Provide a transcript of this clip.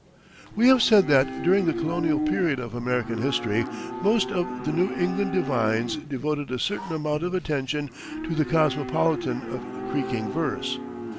We have said that, during the Colonial period of American history, most of the New England divines devoted a certain amount of attention to the composition of creaking verse.